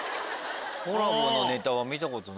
コラボのネタは見たことない。